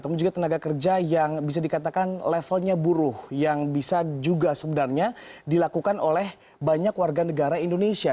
namun juga tenaga kerja yang bisa dikatakan levelnya buruh yang bisa juga sebenarnya dilakukan oleh banyak warga negara indonesia